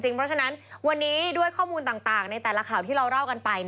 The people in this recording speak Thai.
เพราะฉะนั้นวันนี้ด้วยข้อมูลต่างในแต่ละข่าวที่เราเล่ากันไป